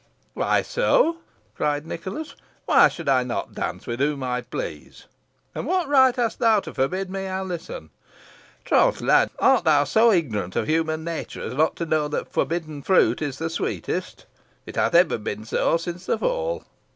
"Why so?" cried Nicholas; "why should I not dance with whom I please? And what right hast thou to forbid me Alizon? Troth, lad, art thou so ignorant of human nature as not to know that forbidden fruit is the sweetest. It hath ever been so since the fall.